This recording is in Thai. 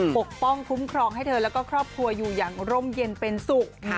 ปกป้องคุ้มครองให้เธอแล้วก็ครอบครัวอยู่อย่างร่มเย็นเป็นสุข